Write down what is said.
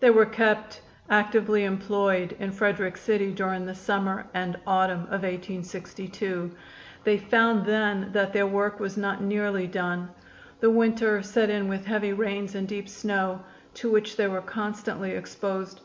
They were kept actively employed in Frederick City during the summer and autumn of 1862. They found then that their work was not nearly done. The winter set in with heavy rains and deep snow, to which they were constantly exposed.